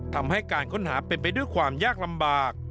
ทำให้การค้นหาเป็นไปด้วยความยากลำบาก